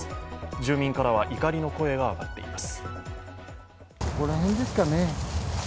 住民からは怒りの声が上がっています。